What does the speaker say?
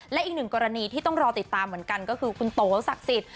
และอีกหนึ่งกรณีที่ต้องรอติดตามเหมือนกันก็คือคุณโตศักดิ์สิทธิ